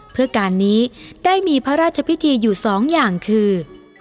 เพื่อการนี้ได้มีพระราชพิธีอยู่สองอย่างคือ